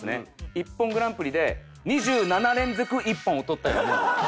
『ＩＰＰＯＮグランプリ』で２７連続ＩＰＰＯＮを取ったようなもんです。